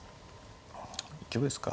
一局ですか。